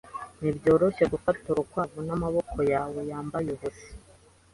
Ntibyoroshye gufata urukwavu n'amaboko yawe yambaye ubusa.